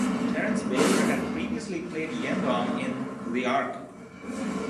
Terence Bayler had previously played Yendom in "The Ark".